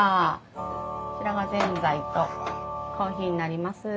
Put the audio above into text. こちらがぜんざいとコーヒーになります。